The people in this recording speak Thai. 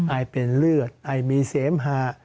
ไอเป็นเลือดไอมีเสมหา